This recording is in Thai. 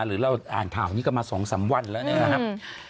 หรือเราอ่านข่าวนี้กันมา๒๓วันแล้วนะครับ